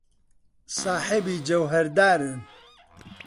ساحێبی جەوهەردارن.